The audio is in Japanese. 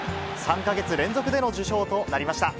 ３か月連続での受賞となりました。